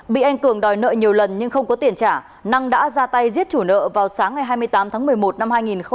bị anh cường đòi nợ nhiều lần nhưng không có tiền trả năng đã ra tay giết chủ nợ vào sáng ngày hai mươi tám tháng một mươi một năm hai nghìn một mươi chín